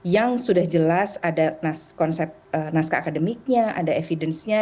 yang sudah jelas ada konsep naskah akademiknya ada evidence nya